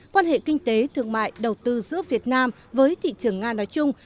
quan hệ kinh tế thương mại đầu tư giữa việt nam với thị trường nga nói chung